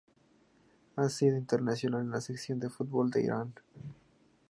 Ha sido internacional con la selección de fútbol de Irán.